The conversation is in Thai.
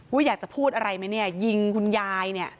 อยากจะพูดอะไรไหมเนี่ยยิงคุณยายเนี่ย